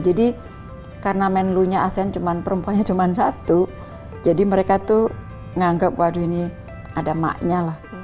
jadi karena menelunya asen perempuannya cuma satu jadi mereka tuh menganggap waduh ini ada maknya lah